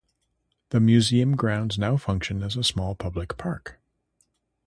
The museum grounds now function as a small public park.